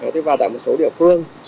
thế và tại một số địa phương